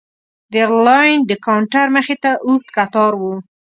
د ایرلاین د کاونټر مخې ته اوږد کتار و.